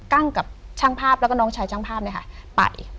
ั้งกับช่างภาพแล้วก็น้องชายช่างภาพเนี่ยค่ะไป